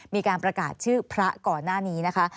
มีการประกาศชื่อพระก่อนหน้านี้นะคะ